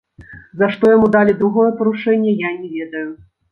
За што яму далі другое парушэнне, я не ведаю.